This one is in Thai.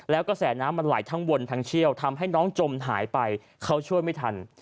แล้วกระแสน้ำมันไหลทั้งบนทั้งเชี่ยวทำให้น้องจมหายไปเขาช่วยไม่ทัน